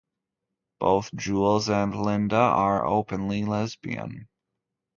Both Jools and Lynda are openly lesbian.